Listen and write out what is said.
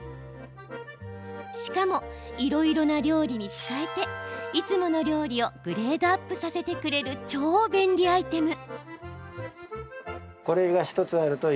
しかも、いろいろな料理に使えていつもの料理をグレードアップさせてくれる超便利アイテム。